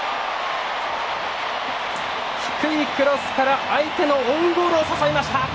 低いクロスから相手のオウンゴールを誘いました！